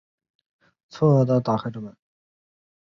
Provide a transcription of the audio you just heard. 错愕的看着打开的门